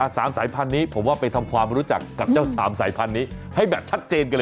สายพันธุ์นี้ผมว่าไปทำความรู้จักกับเจ้าสามสายพันธุ์นี้ให้แบบชัดเจนกันเลย